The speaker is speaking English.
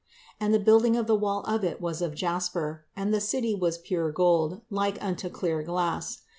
And the building of the wall of it was of jasper: and the city was pure gold, like unto clear glass.